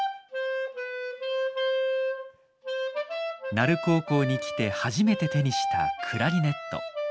奈留高校に来て初めて手にしたクラリネット。